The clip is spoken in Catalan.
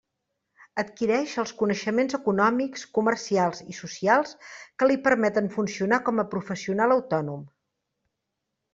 Adquireix els coneixements econòmics, comercials i socials que li permeten funcionar com a professional autònom.